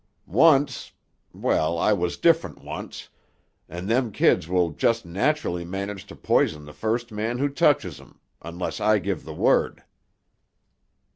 Once—well, I was different once—and them kids will just nacherlly manage to poison the first man who touches 'em—unless I give the word."